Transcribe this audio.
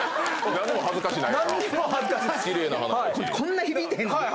何にも恥ずかしない。